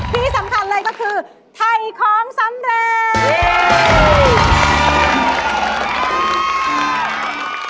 ที่สำคัญเลยก็คือไทยของสำเร็จ